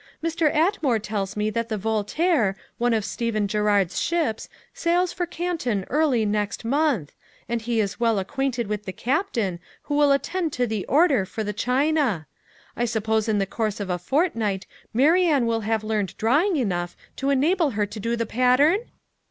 Mr. Atmore tells me that the Voltaire, one of Stephen Girard's ships, sails for Canton early next month, and he is well acquainted with the captain, who will attend to the order for the china. I suppose in the course of a fortnight Marianne will have learned drawing enough to enable her to do the pattern?"